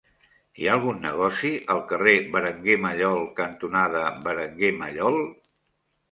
Hi ha algun negoci al carrer Berenguer Mallol cantonada Berenguer Mallol?